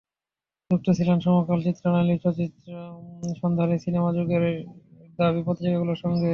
যুক্ত ছিলেন সমকাল, চিত্রালী, সচিত্র সন্ধানী, সিনেমা, যুগের দাবী পত্রিকাগুলোর সঙ্গে।